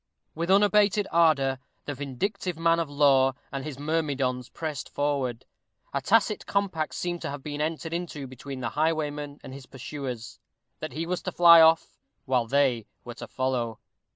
With unabated ardor the vindictive man of law and his myrmidons pressed forward. A tacit compact seemed to have been entered into between the highwayman and his pursuers, that he was to fly while they were to follow.